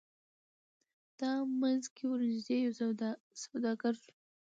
په دامنځ کي ورنیژدې یو سوداګر سو